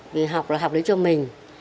vì học là học đấy cho mình